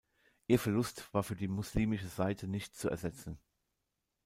Ihr Verlust war für die muslimische Seite nicht zu ersetzen.